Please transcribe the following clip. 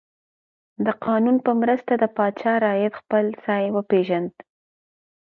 د قانون په مرسته د پاچا رعیت خپل ځای وپیژند.